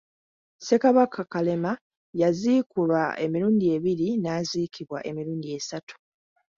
Ssekabaka Kalema yaziikulwa emirundi ebiri, n’aziikibwa emirundi esatu.